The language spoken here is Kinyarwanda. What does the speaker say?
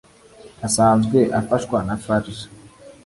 asanzwe afashwa na farg